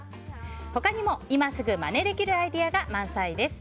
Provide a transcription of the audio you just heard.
他にも今すぐまねできるアイデアが満載です。